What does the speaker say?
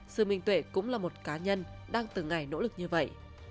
sự minh tuệ cũng là một cá nhân đang từng ngày nỗ lực như vậy